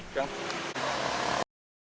jangan lupa like share dan subscribe ya